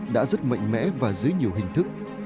đã rất mạnh mẽ và dưới nhiều hình thức